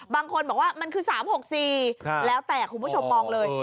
บางคนบอกว่ามันคือ๓๖๔แล้วแต่คุณผู้ชมมองเลย